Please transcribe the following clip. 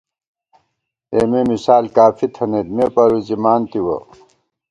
اېمے مثال کافی تھنَئیت ، مے پروزِمان تِوَہ